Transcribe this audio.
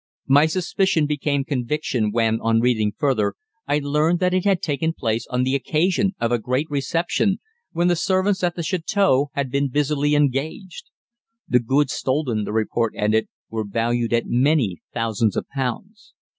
My suspicion became conviction when, on reading further, I learned that it had taken place on the occasion of a great reception, when the servants at the château had been busily engaged. The goods stolen, the report ended, were valued at many thousands of pounds.